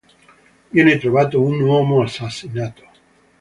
Viene trovato un uomo assassinato.